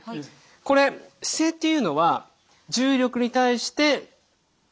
これ姿勢っていうのは重力に対して耐えると。